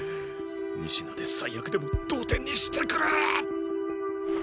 仁科で最悪でも同点にしてくれ！